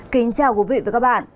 kính chào quý vị và các bạn